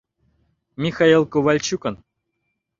Михаил Ковальчукын...